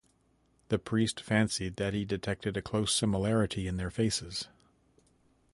The priest fancied that he detected a close similarity in their faces.